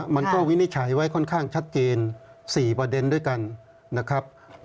วินิจฉัยไว้ค่อนข้างชัดเจน๔ประเด็นด้วยกันนะครับ